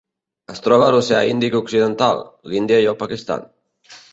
Es troba a l'Oceà Índic occidental: l'Índia i el Pakistan.